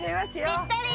ぴったり！